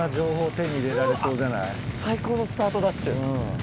最高のスタートダッシュ。